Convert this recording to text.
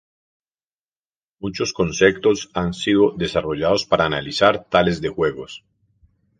Muchos conceptos han sido desarrollados para analizar tales de juegos.